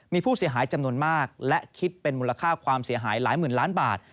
มีผู้เสียหายจำนวนมากและคิดเป็นมูลค่าความเสียหายหลายหมื่นล้านบาท